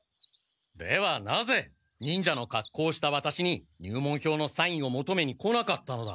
ではなぜ忍者のかっこうをしたワタシに入門票のサインをもとめに来なかったのだ。